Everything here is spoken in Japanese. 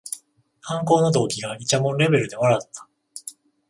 犯行の動機がいちゃもんレベルで笑った